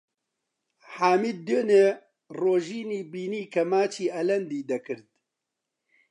حامید دوێنێ ڕۆژینی بینی کە ماچی ئەلەندی دەکرد.